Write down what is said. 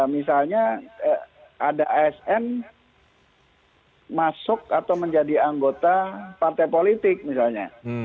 misalnya ada asn masuk atau menjadi anggota partai politik misalnya